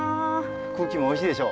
空気もおいしいでしょ。